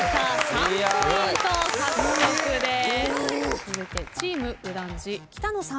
１ポイント獲得です。